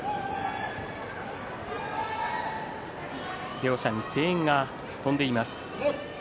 両者に声援が飛んでいます。